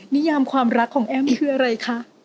นิยามความรักของแอ้มคืออะไรคะ